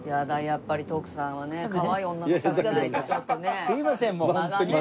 やっぱり徳さんはねかわいい女の子がいないとちょっとね間がね。